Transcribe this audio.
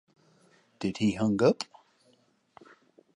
Did he hung up?